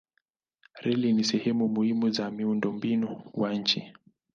Reli ni sehemu muhimu za miundombinu wa nchi.